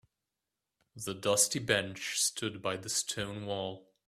The dusty bench stood by the stone wall.